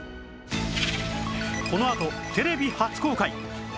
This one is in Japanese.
このあとテレビ初公開！